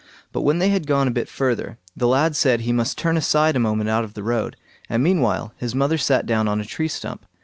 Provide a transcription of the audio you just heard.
But when they had gone a bit further, the lad said he must turn aside a moment out of the road, and meanwhile his mother sat down on a tree stump.